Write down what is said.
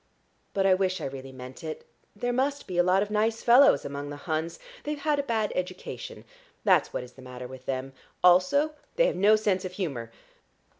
But I wish I really meant it. There must be a lot of nice fellows among the Huns. They've had a bad education; that's what is the matter with them. Also, they have no sense of humour.